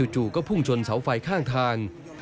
จู่ก็พุ่งชนเสาไฟข้างทาง